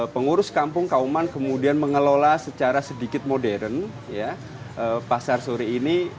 pengurus kampung kauman kemudian mengelola secara sedikit modern pasar suri ini